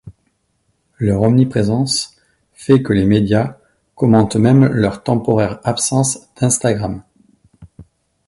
Leur omniprésence fait que les médias commentent même leur temporaires absences d'Instagram.